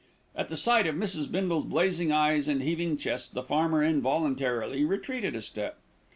At the sight of Mrs. Bindle's blazing eyes and heaving chest, the farmer involuntarily retreated a step.